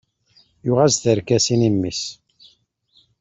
Yuɣ-as-d tarkasin i mmi-s.